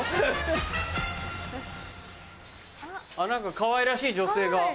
何かかわいらしい女性が。